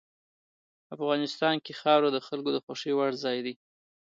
افغانستان کې خاوره د خلکو د خوښې وړ ځای دی.